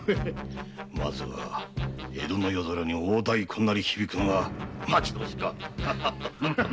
まずは江戸の夜空に大太鼓が鳴り響くのが待ち遠しか。